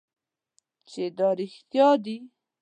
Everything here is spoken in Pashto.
چې دا رښتیا دي .